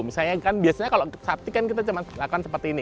misalnya kan biasanya kalau sapti kan kita cuma lakukan seperti ini